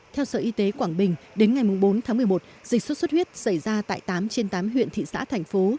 theo sở y tế quảng bình đến ngày bốn tháng một mươi một dịch sốt xuất huyết xảy ra tại tám trên tám huyện thị xã thành phố